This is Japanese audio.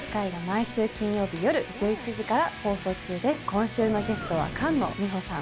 今週のゲストは菅野美穂さん。